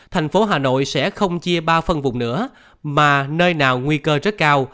thành phố hà nội sẽ không chia ba phân vùng nữa mà nơi nào nguy cơ rất cao